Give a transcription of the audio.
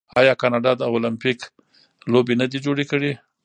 آیا کاناډا المپیک لوبې نه دي جوړې کړي؟